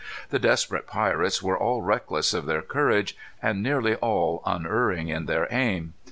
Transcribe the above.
The desperate pirates were all reckless in their courage, and nearly all unerring in their aim.